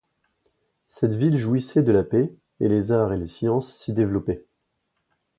Cette ville jouissait de la paix et les arts et les sciences s’y développaient.